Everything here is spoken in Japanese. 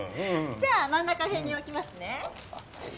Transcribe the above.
じゃあ真ん中辺に置きますね。